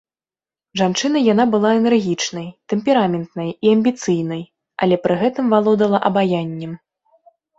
Жанчынай яна была энергічнай, тэмпераментнай і амбіцыйнай, але пры гэтым валодала абаяннем.